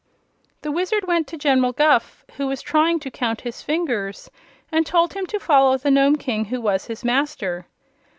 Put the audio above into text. The Wizard went to General Guph, who was trying to count his fingers, and told him to follow the Nome King, who was his master.